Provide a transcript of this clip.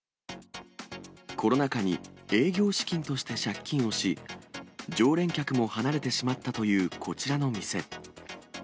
コロナ禍に営業資金として借金をし、常連客も離れてしまったというこちらの店。